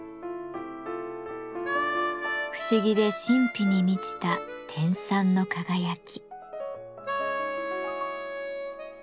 不思議で神秘に満ちた天蚕の輝き。